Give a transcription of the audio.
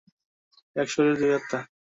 এক শরীর, দুই আত্মা।